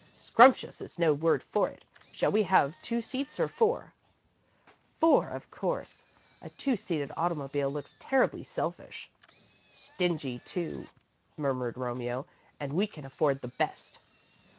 "Scrumptious is no word for it. Shall we have two seats or four?" "Four, of course. A two seated automobile looks terribly selfish." "Stingy, too," murmured Romeo, "and we can afford the best."